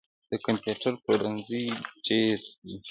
د کمپیوټر پلورنځي ډیر دي